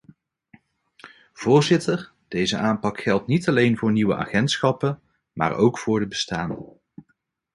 Voorzitter, deze aanpak geldt niet alleen voor nieuwe agentschappen, maar ook voor de bestaande.